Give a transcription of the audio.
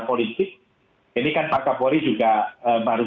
politik ini kan pak kapolri juga baru